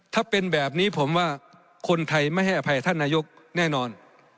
ถ้าเป็นแบบนี้ผมว่าคนไทยไม่ให้อภัยท่านนายกแน่นอน